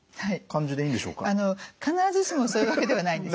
あの必ずしもそういうわけではないんですね。